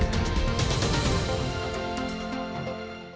terima kasih pak mbak trenet